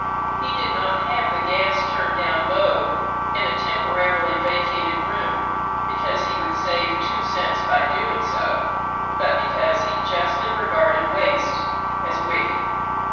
He did not have the gas turned down low in a temporarily vacated room because he would save two cents by doing so, but because he justly regarded waste as wicked.